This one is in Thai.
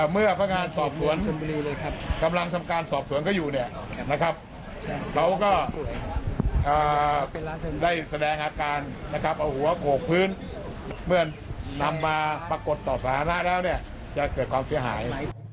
เมื่อนำมาปรากฏต่อสาธารณะแล้วจะเกิดความเสียหาย